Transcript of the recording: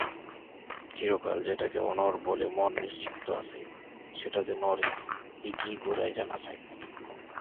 চিরকাল যেটাকে অনড় বলে মন নিশ্চিন্ত আছে সেটা যে নড়ে এইটিই গোড়ায় জানা চাই।